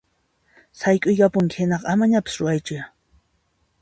Sayk'uyapunki hinaqa amañapis ruwaychuya!